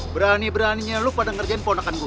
berani beraninya lu pada ngerjain ponakan gue